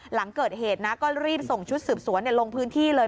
หลังเกิดเหตุนะก็รีบส่งชุดสืบสวนลงพื้นที่เลย